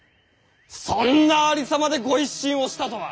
そんなありさまで御一新をしたとは。